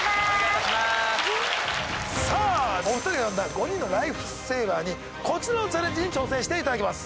さぁお２人が呼んだ５人のライフセイバーにこちらのチャレンジに挑戦していただきます。